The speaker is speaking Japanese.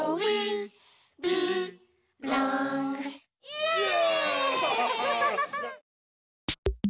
イエイ！